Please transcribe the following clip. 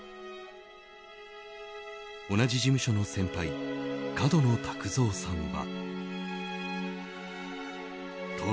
同じ事務所の先輩角野卓造さんは。